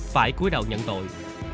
phải cuối đầu nhận tội